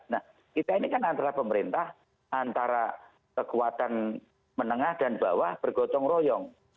nah kita ini kan antara pemerintah antara kekuatan menengah dan bawah bergotong royong